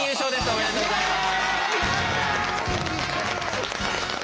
おめでとうございます。